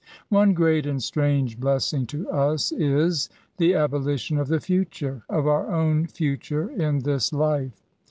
One great and strange blessing to us is, the abo > lition of the future— of our own future in this life.